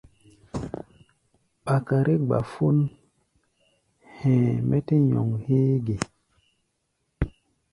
Ɓakare gbafón hɛ̧ɛ̧, mɛ́ tɛ́ nyɔŋ héé ge?